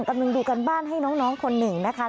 กำลังดูการบ้านให้น้องคนหนึ่งนะคะ